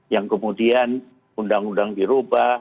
yang kemudian undang undang dirubah